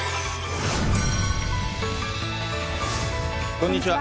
こんにちは。